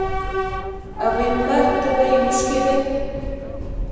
ـ ابۍ مړه تبه يې وشکېده.